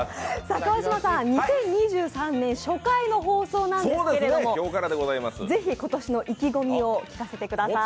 ２０２３年初回の放送なんですけれどもぜひ今年の意気込みを聞かせてください。